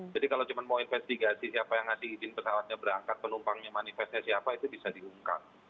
jadi kalau cuma mau investigasi siapa yang ngasih izin pesawatnya berangkat penumpangnya manifestasi siapa itu bisa diungkap